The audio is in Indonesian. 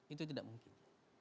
itu tidak mungkin